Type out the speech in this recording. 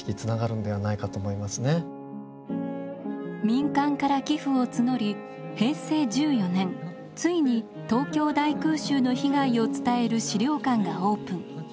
民間から寄付を募り平成１４年ついに東京大空襲の被害を伝える資料館がオープン。